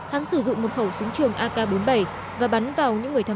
hắn sử dụng một khẩu súng trường ak bốn mươi bảy và bắn vào những người thân